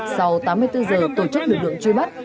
sau tám mươi bốn giờ tổ chức lực lượng truy bắt